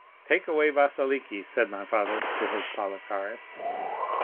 'Take away Vasiliki!' said my father to his Palikares.